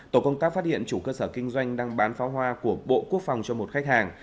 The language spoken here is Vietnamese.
tổ công tác phát hiện chủ cơ sở kinh doanh đang bán pháo hoa của bộ quốc phòng cho một khách hàng